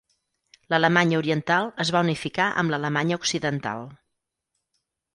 L'Alemanya Oriental es va unificar amb l'Alemanya Occidental.